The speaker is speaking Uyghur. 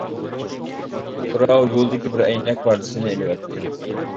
بىراۋ يولدىكى بىر ئەينەك پارچىسىنى ئېلىۋەتتى.